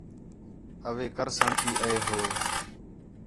اوے کرسݨ تی اے ہو